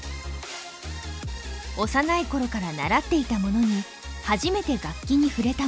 幼いころから習っていた者に初めて楽器に触れた者。